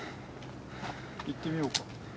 行ってみようか。